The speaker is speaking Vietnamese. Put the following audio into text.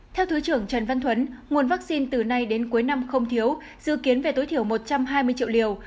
theo thứ trưởng trần văn thuấn nguồn vaccine từ nay đến cuối năm không thiếu dự kiến về tối thiểu một trăm hai mươi triệu liều